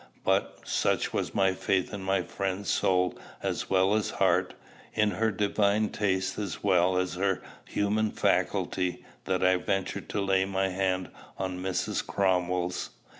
But, such was my faith in my friend's soul as well as heart, in her divine taste as well as her human faculty, that I ventured to lay my hand on Mrs. Cromwell's.